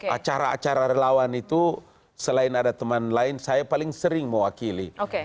acara acara relawan itu selain ada teman lain saya paling sering mewakili